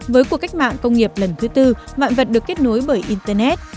với cuộc cách mạng công nghiệp lần thứ tư vạn vật được kết nối bởi internet